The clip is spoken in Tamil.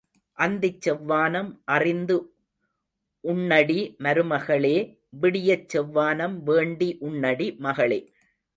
அந்திச் செவ்வானம் அறிந்து உண்ணடி மருமகளே விடியச் செவ்வானம் வேண்டி உண்ணடி மகளே.